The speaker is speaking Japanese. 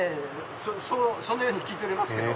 そのように聞いておりますけど。